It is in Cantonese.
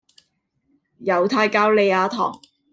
猶太教莉亞堂